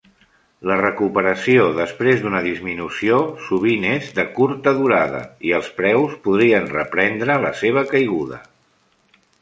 La recuperació després d'una disminució sovint és de curta durada i els preus podrien reprendre la seva caiguda.